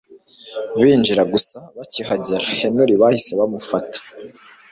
binjira gusa bakihagera Henry bahise bamufata